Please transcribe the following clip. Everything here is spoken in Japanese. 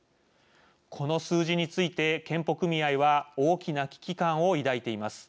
この数字について、健保組合は大きな危機感を抱いています。